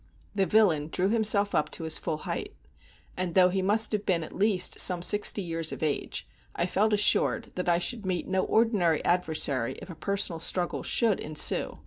The villain drew himself up to his full height; and, though he must have been at least some sixty years of age, I felt assured that I should meet no ordinary adversary if a personal struggle should ensue.